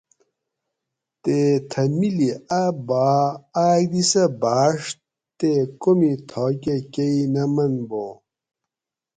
تے تھہ مِلی اۤ بھاۤ آۤک دی سہ بھاڛت تے کومی تھاکہ کئ نہ من بو